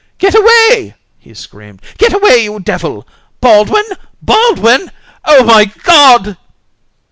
"Get away!" he screamed. "Get away, you devil! Baldwin! Baldwin! Oh, my God!"